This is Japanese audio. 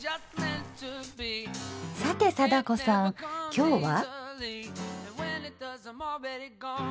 さて貞子さん今日は？